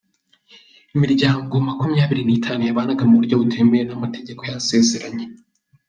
Imiryango makumyabiri n’itanu yabanaga mu buryo butemewe n’amategeko yasezeranye